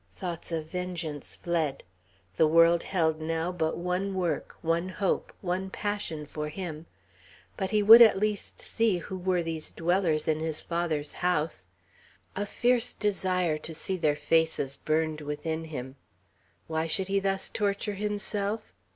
Thoughts of vengeance fled. The world held now but one work, one hope, one passion, for him. But he would at least see who were these dwellers in his father's house. A fierce desire to see their faces burned within him. Why should he thus torture himself?